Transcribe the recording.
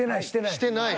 ［してない］